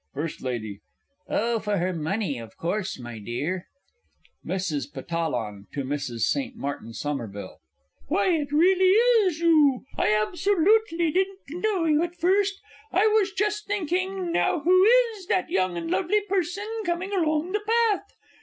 FIRST LADY. Oh, for her money of course, my dear! MRS. PATTALLON (to MRS. ST. MARTIN SOMERVILLE). Why, it really is you! I absolutely didn't know you at first. I was just thinking "Now who is that young and lovely person coming along the path?"